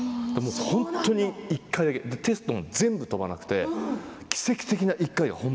本当に１回だけテストも全部飛ばなくて奇跡的な１回。